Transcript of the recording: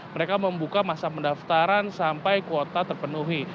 mereka membuka masa pendaftaran sampai kuota terpenuhi